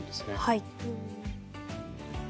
はい。